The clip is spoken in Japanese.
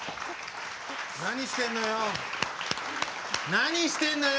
何してんのよ。